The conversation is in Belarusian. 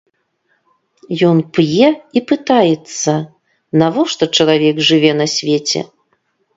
Ён п'е і пытаецца, навошта чалавек жыве на свеце.